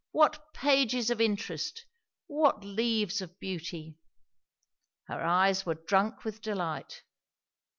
what pages of interest! what leaves of beauty! Her eyes were drunk with delight.